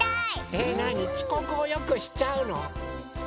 えなにちこくをよくしちゃうの？